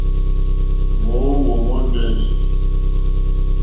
Mòóhwò mòndɛ́nɛ̀.